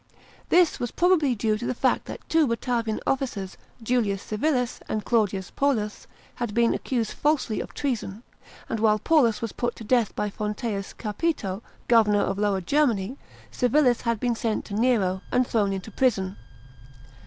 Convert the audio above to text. This was probably due to the fact that two Batavian offirers, Julius Civilis and Claudius Panllus, bad been accused falsely of treason, and while Paullus was put to death by Fonteins Capito, governor of Lower Germany, Civil's hnd been sent to Nero, and thrown into prison.